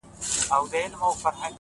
د لوط د قوم د سچيدو به درته څه ووايم!!